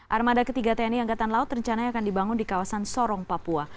armada ketiga tni angkatan laut rencananya akan dibangun di kawasan sorong papua